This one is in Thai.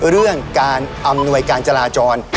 เรื่องการอำนวยการจราจร